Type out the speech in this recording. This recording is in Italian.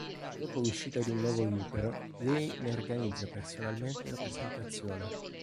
Dopo l'uscita di un nuovo libro, lei ne organizza personalmente la presentazione.